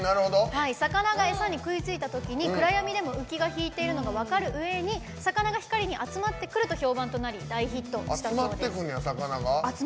魚が餌に食いついたときに暗闇でもウキが引いてるのが分かるうえに魚が光に集まってきてさらに軽くて丈夫なことで評判となり大ヒットしたそうです。